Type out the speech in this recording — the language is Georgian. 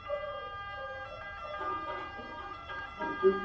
საზოგადოების დამფუძნებლები მონაწილეობდნენ ბონაპარტის ეგვიპტურ მსვლელობაში.